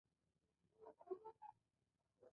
لاک د حکومت مسوولیتونه بیان کړل.